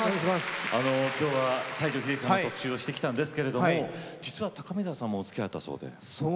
今日は西城秀樹さんの特集をしてきたんですけど実は高見沢さんもおつきあいあったそうで。